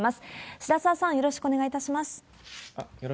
白沢さん、よろしくお願いします。